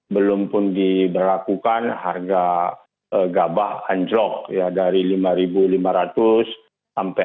belum pun diberlakukan harga gabah anjlok ya dari rp lima lima ratus sampai